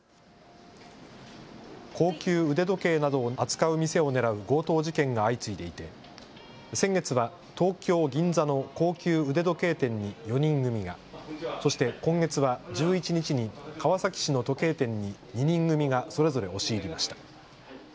高級腕時計などを扱う店を狙う強盗事件が相次いでいて先月は東京銀座の高級腕時計店に４人組が、そして今月は１１日に川崎市の時計店に２人組がそれぞれ押し入りました。